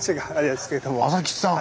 麻吉さん。